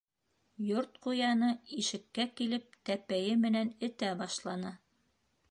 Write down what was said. Йорт ҡуяны ишеккә килеп тәпәйе менән этә башланы.